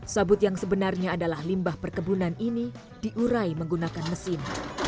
sabut yang sebenarnya adalah limbah perkebunan ini diurai menggunakan mesin